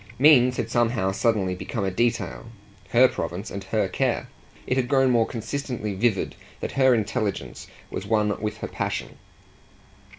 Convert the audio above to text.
Means had somehow suddenly become a detail her province and her care; it had grown more consistently vivid that her intelligence was one with her passion.